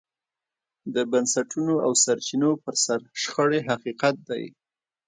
د بنسټونو او سرچینو پر سر شخړې حقیقت دی.